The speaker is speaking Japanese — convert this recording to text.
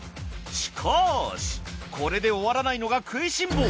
しかしこれで終わらないのが食いしん坊。